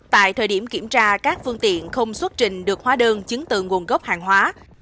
tại thời điểm kiểm tra các phương tiện không xuất trình được hóa đơn chứng từ nguồn gốc hàng hóa